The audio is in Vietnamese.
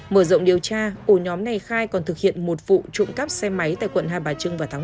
mở rộng điều tra ổ nhóm này khai còn thực hiện một vụ trộm cắp xe máy tại quận hai bà trưng vào tháng một